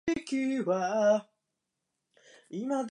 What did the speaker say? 石垣島